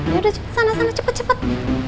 ya udah cepet sana cepet cepet